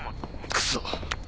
クソ！